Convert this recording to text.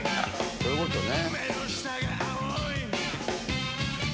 そういうことね。